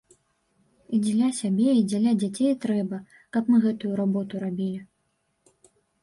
І дзеля сябе і дзеля дзяцей трэба, каб мы гэтую работу рабілі.